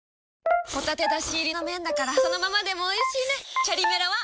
ホタテだし入りの麺だからそのままでもおいしいねチャリメラは！